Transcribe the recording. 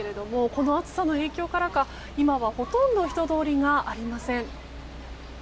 この暑さの影響からか今は、ほとんど人通りがありません。